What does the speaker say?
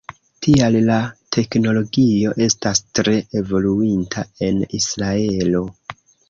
Tial la teknologio estas tre evoluinta en Israelo.